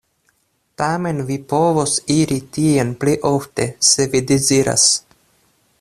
Tamen vi povos iri tien pli ofte, se vi deziras.